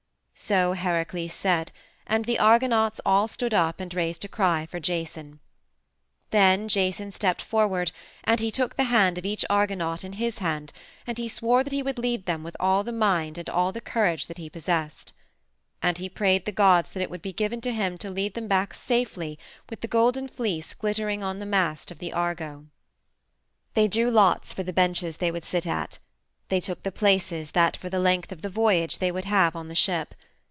So Heracles said, and the Argonauts all stood up and raised a cry for Jason. Then Jason stepped forward, and he took the hand of each Argonaut in his hand, and he swore that he would lead them with all the mind and all the courage that he possessed. And he prayed the gods that it would be given to him to lead them back safely with the Golden Fleece glittering on the mast of the Argo. They drew lots for the benches they would sit at; they took the places that for the length of the voyage they would have on the ship.